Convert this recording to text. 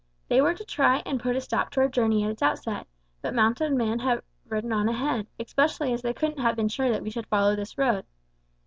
They were to try and put a stop to our journey at its outset; but mounted men will have ridden on ahead, especially as they couldn't have been sure that we should follow this road.